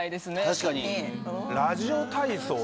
確かに。